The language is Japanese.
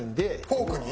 フォークに？